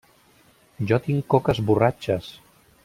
Jo tinc coques borratxes!